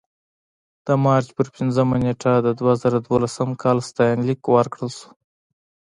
د مارچ په پنځمه نېټه د دوه زره دولسم کال ستاینلیک ورکړل شو.